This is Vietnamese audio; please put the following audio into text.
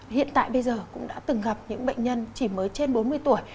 hiện tại bây giờ cũng đã từng gặp những bệnh nhân chỉ mới trên bốn mươi tuổi